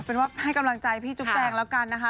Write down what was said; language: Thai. เป็นว่าให้กำลังใจพี่จุ๊บแจงแล้วกันนะคะ